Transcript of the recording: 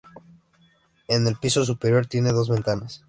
En el piso superior tiene dos ventanas.